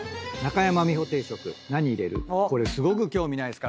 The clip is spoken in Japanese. これすごく興味ないですか？